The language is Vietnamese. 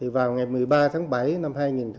vào ngày một mươi ba tháng bảy năm hai nghìn một mươi sáu